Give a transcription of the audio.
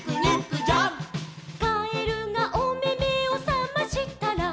「かえるがおめめをさましたら」